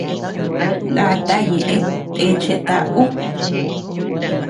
Ndata ñeʼe techeta ú.